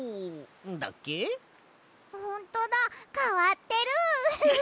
ほんとだかわってる。